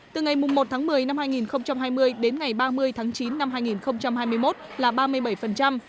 từ ngày một tháng một mươi năm hai nghìn hai mươi đến ngày ba mươi tháng chín năm hai nghìn hai mươi một là ba mươi bảy